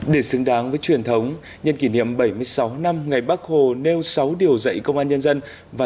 để xứng đáng với truyền thống nhân kỷ niệm bảy mươi sáu năm ngày bắc hồ nêu sáu điều dạy công an nhân dân